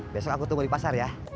besok aku tunggu di pasar ya